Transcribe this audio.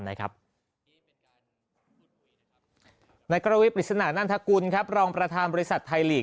ในกรณวิทยาลัยปริศนาณคุณลองประธานบริษัทไทยลีก